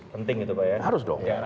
penting itu pak ya harus dong